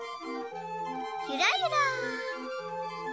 ゆらゆら。